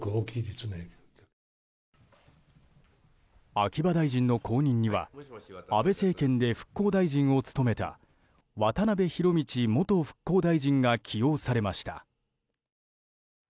秋葉大臣の後任には安倍政権で復興大臣を務めた渡辺博道元復興大臣が起用されました。